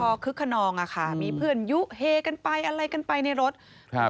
ก็คึกขนองอ่ะค่ะมีเพื่อนยุเฮกันไปอะไรกันไปในรถครับ